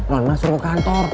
luan mah suruh ke kantor